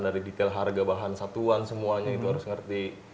dari detail harga bahan satuan semuanya itu harus ngerti